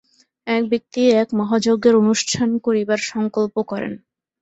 এক ব্যক্তি একমহাযজ্ঞের অনুষ্ঠান করিবার সঙ্কল্প করেন।